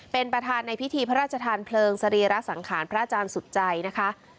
เป็นประธานในพิธีพระราชทานเพลิงสรีระสังขารพระอาจารย์สุดใจนะคะ